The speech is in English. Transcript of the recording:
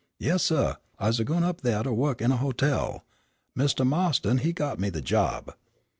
"Yes, suh, I's gwine up thaih to wo'k in a hotel. Mistah Ma'ston, he got me the job."